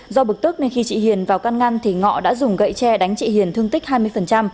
do bực tức nên khi chị hiền vào căn ngăn thì ngọ đã dùng gậy tre đánh chị hiền thương tích hai mươi